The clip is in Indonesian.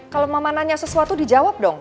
kalau mama nanya sesuatu dijawab dong